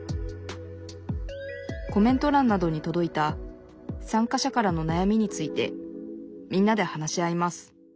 コメントらんなどにとどいた参加者からのなやみについてみんなで話し合います